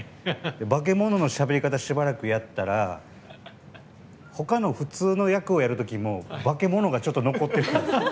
化け物のしゃべり方をしばらくやったら他の普通の役をやる時も化け物が残ってる。